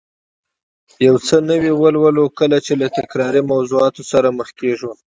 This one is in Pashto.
یو څه نوي ولولو، کله چې له تکراري موضوعاتو سره مخ کېږو